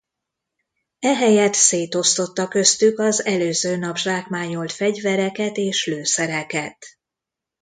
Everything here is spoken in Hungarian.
Ehelyett szétosztotta köztük az előző nap zsákmányolt fegyvereket és lőszereket.